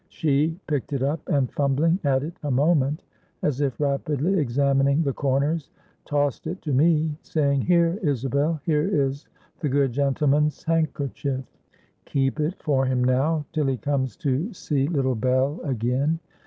She picked it up, and fumbling at it a moment, as if rapidly examining the corners, tossed it to me, saying, 'Here, Isabel, here is the good gentleman's handkerchief; keep it for him now, till he comes to see little Bell again.'